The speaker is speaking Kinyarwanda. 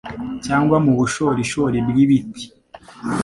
cyangwa mu bushorishori bw’ibiti